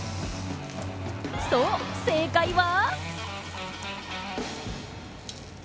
そう、正解は。